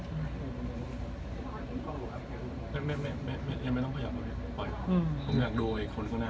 พี่ยืนอยู่หน้าแบงค์ก็ยืนนิ่งเลยนะ